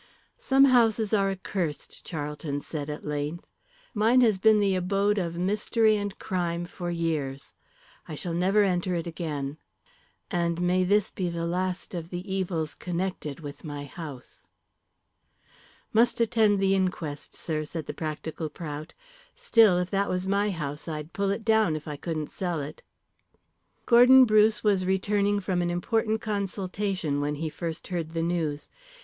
"Some houses are accursed," Charlton said at length. "Mine has been the abode of mystery and crime for years. I shall never enter it again. "And may this be the last of the evils connected with my house." [Illustration: "Swift and sure," she said, "it's prusic " Page 314] "Must attend the inquest, sir," said the practical Prout. "Still, if that was my house, I'd pull it down if I couldn't sell it." Gordon Bruce was returning from an important consultation when he first heard the news.